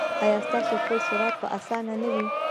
ایا ستاسو پل صراط به اسانه نه وي؟